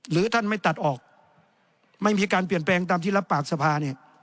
ท่านไม่ตัดออกไม่มีการเปลี่ยนแปลงตามที่รับปากสภาเนี่ย